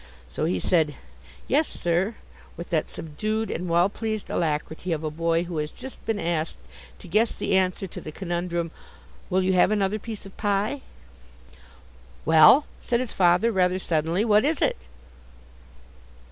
So he said, "Yes, sir," with that subdued and well pleased alacrity of a boy who has just been asked to guess the answer to the conundrum, "Will you have another piece of pie?" "Well," said his father, rather suddenly, "what is it?"